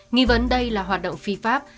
nghĩ vấn đây là hoạt động phi pháp